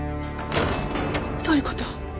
どういう事？